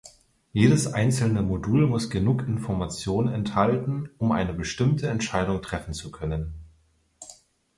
Jedes einzelne Modul muss genug Information enthalten, um eine bestimmte Entscheidung treffen zu können.